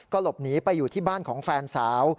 หลบหนีไปอยู่ที่บ้านของแฟนสาว